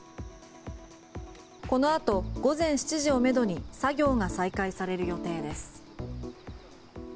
このあと午前７時をめどに作業が再開される予定です。